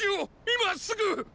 今すぐ！